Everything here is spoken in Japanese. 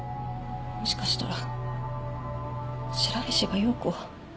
もしかしたら白菱が葉子を。